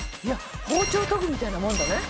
包丁研ぐみたいなもんだね。